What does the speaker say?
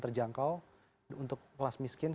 terjangkau untuk kelas miskin